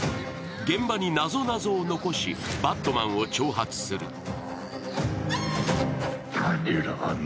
現場になぞなぞを残しバットマンを挑発する。